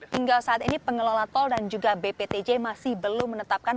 hingga saat ini pengelola tol dan juga bptj masih belum menetapkan